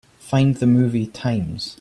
Find the movie times.